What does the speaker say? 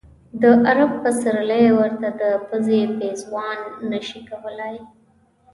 د عرب پسرلی ورته د پزې پېزوان نه شي کولای.